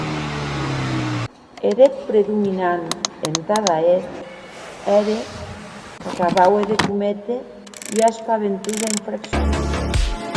Eth hèt predominant entada eth ère, qu’acabaue de cométer ua espaventosa infraccion.